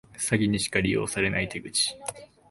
詐欺にしか利用されてない手口